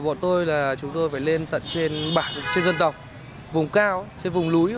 bọn tôi là chúng tôi phải lên tận trên bản trên dân tộc vùng cao trên vùng núi